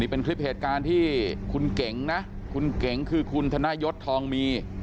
เป็นคลิปเหตุการณ์ที่คุณเก๋งนะคุณเก๋งคือคุณธนยศทองมี